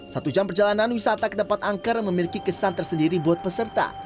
satu jam perjalanan wisata ke tempat angker memiliki kesan tersendiri buat peserta